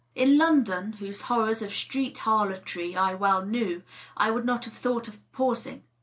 In London, whose horrors of street harlotry I well knew, I would not have thought of pausing.